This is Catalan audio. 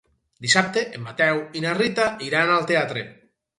Dissabte en Mateu i na Rita iran al teatre.